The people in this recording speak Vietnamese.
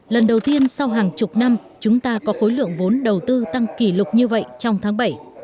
lần đầu tiên sau hàng chục năm chúng ta có khối lượng vốn đầu tư tăng kỷ lục như vậy trong tháng bảy